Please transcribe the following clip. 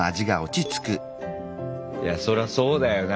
いやそらそうだよな。